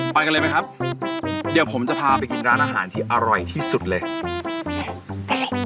ไปกันเลยไหมครับเดี๋ยวผมจะพาไปกินร้านอาหารที่อร่อยที่สุดเลย